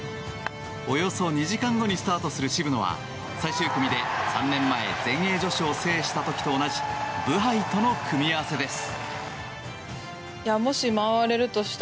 およそ２時間後にスタートする渋野は最終組で３年前全英女子を制した時と同じブハイとの組み合わせです。